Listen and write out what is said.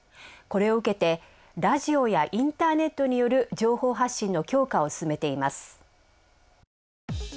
これを受けてラジオやインターネットによる情報発信の強化を進めています。